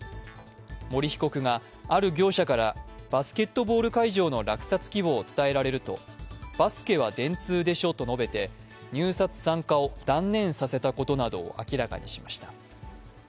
森被告が、ある業者からバスケットボール会場の落札希望を伝えられるとバスケは電通でしょと述べて、入札参加を断念させたことなどを明らかにしました。